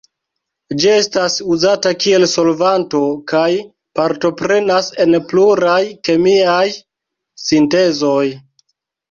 Ĝi estas uzata kiel solvanto kaj partoprenas en pluraj kemiaj sintezoj.